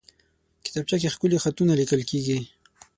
کتابچه کې ښکلي خطونه لیکل کېږي